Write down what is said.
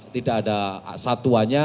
tidak ada satuannya